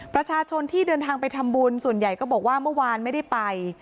ประชาชนที่เดินทางไปทำบุญส่วนใหญ่ก็บอกว่าเมื่อวานไม่ได้ไป